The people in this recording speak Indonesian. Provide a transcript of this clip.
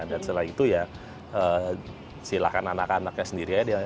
dan setelah itu ya silakan anak anaknya sendiri aja menjalani